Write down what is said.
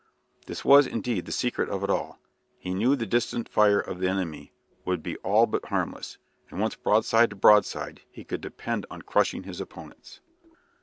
This was, indeed, the secret of it all. He knew the distant fire of the enemy would be all but harmless, and once broadside to broadside, he could depend on crushing his opponents.